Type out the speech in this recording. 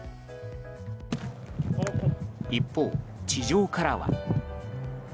一方、地上からは。